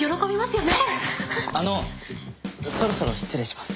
あのそろそろ失礼します。